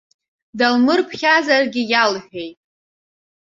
Далмырԥхьазаргьы иалҳәеит.